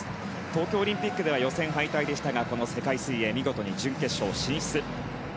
東京オリンピックでは予選敗退でしたがこの世界水泳見事に準決勝進出。